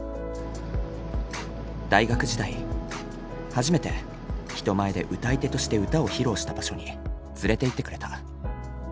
大学時代初めて人前で歌い手として歌を披露した場所に連れていってくれた。